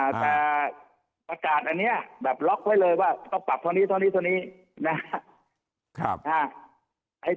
แต่ประกาศอันนี้แบบล็อกไว้เลยว่าต้องปรับเท่านี้เท่านี้เท่านี้นะครับ